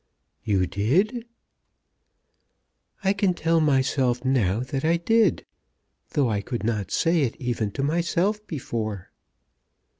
"You did?" "I can tell myself now that I did, though I could not say it even to myself before."